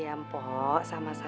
kayaknya ada pensar tracks itu